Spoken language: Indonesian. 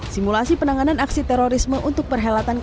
simulasi penanganan aksi terorisme untuk perhelatan kttg dua puluh